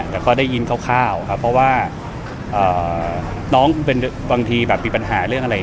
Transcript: แต่ก็ได้ยินคร่าวครับเพราะว่าน้องเป็นบางทีแบบมีปัญหาเรื่องอะไร